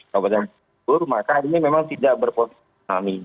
kabupaten bogor maka ini memang tidak berpotensi tsunami